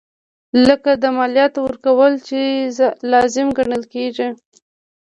لکه د مالیاتو ورکول چې لازم ګڼل کیږي.